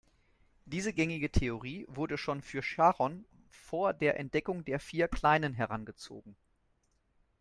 Diese gängige Theorie wurde schon für Charon vor der Entdeckung der vier kleinen herangezogen.